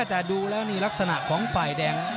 แต่ดูแล้วนี่ลักษณะของฝ่ายแดง